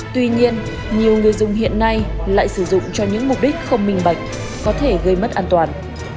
tuy nhiên nhiều người dùng hiện nay lại sử dụng cho những mục đích không minh bạch có thể gây mất an toàn